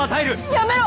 やめろ！